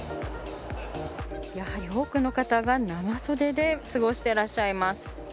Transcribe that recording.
やはり多くの方が長袖で過ごしていらっしゃいます。